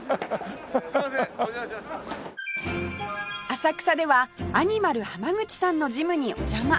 浅草ではアニマル浜口さんのジムにお邪魔